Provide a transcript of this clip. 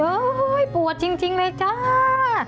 เอ๊ยปวดจริงเลยจ้า